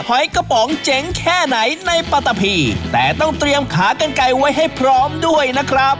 หอยกระป๋องเจ๋งแค่ไหนในปัตตะพีแต่ต้องเตรียมขากันไกลไว้ให้พร้อมด้วยนะครับ